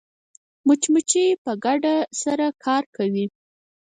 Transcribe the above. مچمچۍ په ګډه سره کار کوي